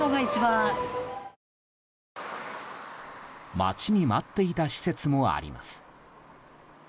待ちに待っていた施設もあります。